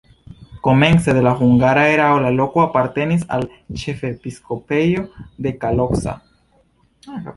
Komence de la hungara erao la loko apartenis al ĉefepiskopejo de Kalocsa.